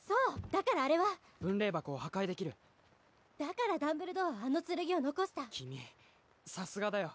だからあれは分霊箱を破壊できるだからダンブルドアはあの剣を残した君さすがだよ